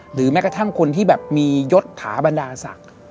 แม้กระทั่งคนที่แบบมียศถาบรรดาศักดิ์